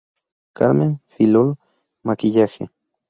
Carmen Fillol: Maquillaje.